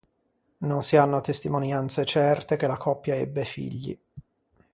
Non si hanno testimonianze certe che la coppia ebbe figli.